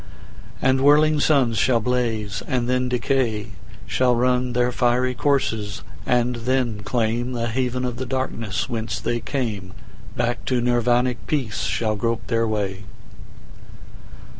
And whirling suns shall blaze and then decay, Shall run their fiery courses and then claimThe haven of the darkness whence they came; Back to Nirvanic peace shall grope their way.